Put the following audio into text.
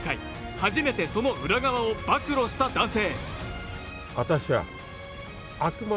初めてその裏側を暴露した男性。